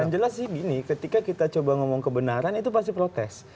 yang jelas sih gini ketika kita coba ngomong kebenaran itu pasti protes